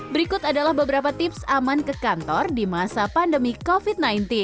berikut adalah beberapa tips aman ke kantor di masa pandemi covid sembilan belas